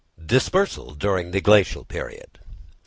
_Dispersal during the Glacial Period.